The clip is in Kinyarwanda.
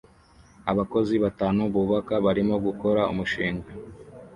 Abakozi batanu bubaka barimo gukora umushinga